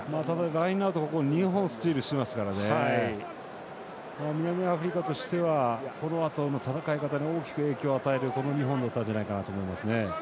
ラインアウトのあと２本スチールしてますから南アフリカとしてはこのあとの戦い方に大きく影響を与える２本だったんじゃないですかね。